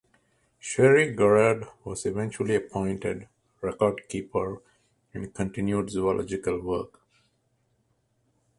Cherry-Garrard was eventually appointed record keeper and continued zoological work.